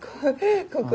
ここ。